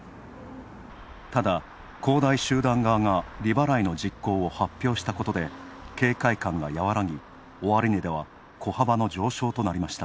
ただ、恒大集団側が利払いの実行を発表したことで警戒感がやわらぎ、終値では小幅の上昇となりました。